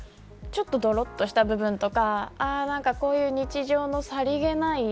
ちょっとどろっとした部分とかこういう日常のさりげない